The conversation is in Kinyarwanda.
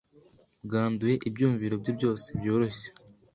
bwanduye ibyumviro bye byose byoroshye